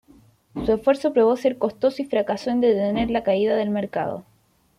Su esfuerzo probó ser costoso y fracasó en detener la caída del mercado.